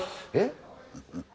えっ？